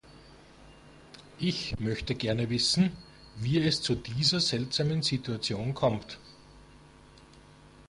Ich möchte gerne wissen, wie es zu dieser seltsamen Situation kommt.